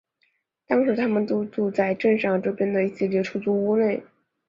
当时他们租住在镇上和周边的一系列出租屋里。